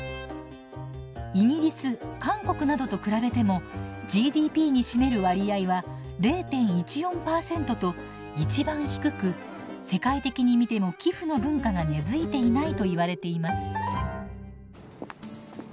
イギリス韓国などと比べてもＧＤＰに占める割合は０．１４％と一番低く世界的に見ても寄付の文化が根づいていないといわれています。